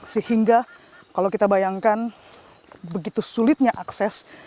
sehingga kalau kita bayangkan begitu sulitnya akses